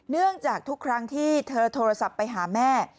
เนื่องจากทุกครั้งที่เธอโทรศัพท์ไปหาแม่